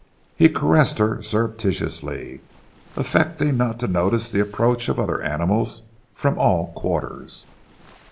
He caressed her surreptitiously, affecting not to notice the approach of other animals from all quarters.